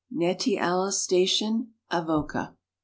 Nettialcc Station, Avoca.